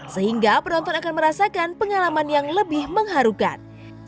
sehingga penonton akan merasakan pengalaman yang lebih mengharukan